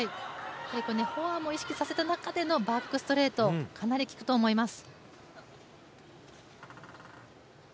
フォアも意識させた中でのバックストレート、かなり効くと思います。